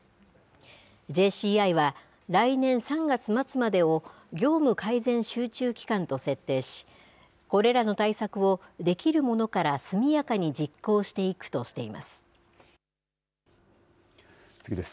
ＪＣＩは、来年３月末までを業務改善集中期間と設定し、これらの対策をできるものから速やかに実行していくとしています。